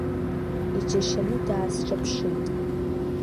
Иџьашьаны даасҿаԥшит.